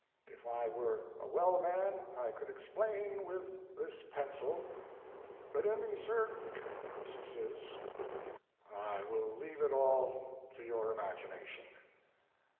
If I were a well man I could explain with this pencil, but in the cir ces I will leave it all to your imagination.